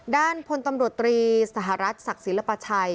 ด้านพลตำรวจตรีสหรัฐศักดิ์ศิลปชัย